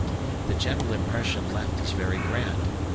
The general impression left is very grand.